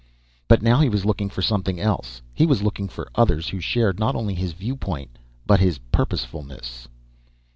But now he was looking for something else. He was looking for others who shared not only his viewpoint but his purposefulness.